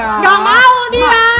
nggak mau dia